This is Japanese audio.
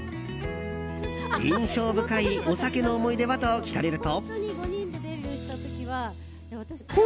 印象深いお酒の思い出は？と聞かれると。